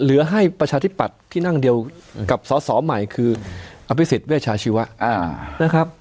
หรือให้ประชาธิบัตรที่นั่งเดียวกับสะสอธิ์ไหมคือาพิสิตเวชาชีวะนะครับ